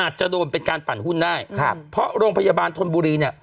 อาจจะโดนเป็นการปั่นหุ้นได้ครับเพราะโรงพยาบาลธนบุรีเนี่ย